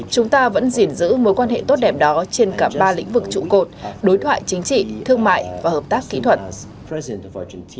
chúng ta vẫn giữ giữ mối quan hệ tốt đẹp đó trên cả ba lĩnh vực trụ cột đối thoại chính trị thương mại và hợp tác kỹ thuật